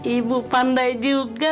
ibu pandai juga